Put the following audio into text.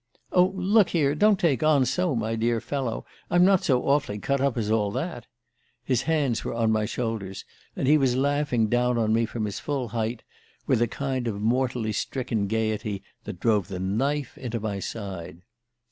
"'Oh, look here, don't take on so, my dear fellow! I'm not so awfully cut up as all that!' His hands were on my shoulders, and he was laughing down on me from his full height, with a kind of mortally stricken gaiety that drove the knife into my side.